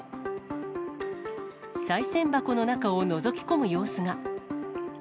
さい銭箱の中をのぞき込む様子が。